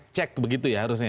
cek begitu ya harusnya